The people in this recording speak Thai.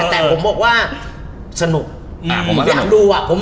แต่ผมบอกว่าสนุกผมอยากดูอ่ะ